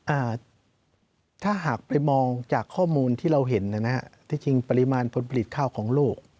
อ่าถ้าหากไปมองจากข้อมูลที่เราเห็นนะฮะที่จริงปริมาณผลผลิตข้าวของโลก